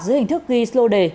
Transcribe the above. dưới hình thức ghi lô đề